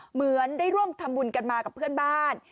เหมือนได้ร่วมทำบุญกันมากับเพื่อนบ้าน